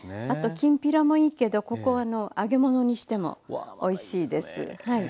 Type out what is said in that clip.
きんぴらもいいけどここは揚げ物にしてもおいしいです。